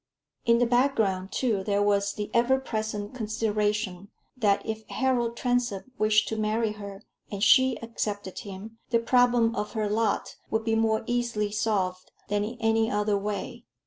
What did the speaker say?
In the background, too, there was the ever present consideration, that if Harold Transome wished to marry her, and she accepted him, the problem of her lot would be more easily solved than in any other way.